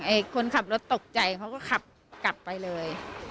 คนขับรถตกใจเขาก็ขับกลับไปเลย